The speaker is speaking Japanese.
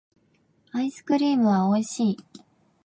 アイスクリームはおいしい